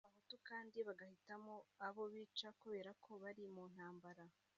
nk abahutu kandi bagahitamo abo bica kubera ko bari muntambara